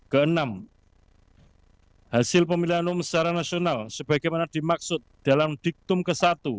keenam hasil pemilihan umum secara nasional sebagaimana dimaksud dalam diktum ke satu